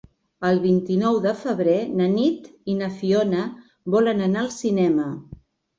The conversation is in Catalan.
El vint-i-nou de febrer na Nit i na Fiona volen anar al cinema.